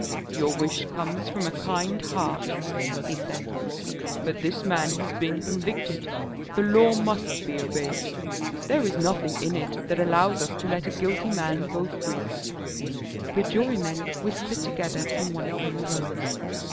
"Your wish comes from a kind heart," he said. "But this man has been convicted. The law must be obeyed. There is nothing in it that allows us to let a guilty man go free." The jurymen whispered together and one of them arose.